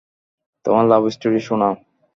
তোমার love story শোনাও।